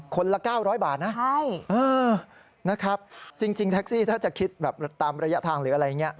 คนละ๙๐๐บาทนะนะครับจริงแท็กซี่ถ้าจะคิดแบบตามระยะทางหรืออะไรอย่างนี้